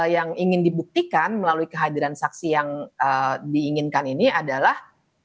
yang ingin dibuktikan melalui kehadiran saksi yang diinginkan ini adalah